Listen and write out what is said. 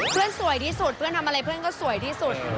สวยที่สุดเพื่อนทำอะไรเพื่อนก็สวยที่สุด